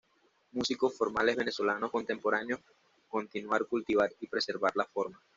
Músicos formales venezolanos contemporáneos continuar cultivar y preservar la forma.